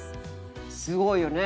すごいよね。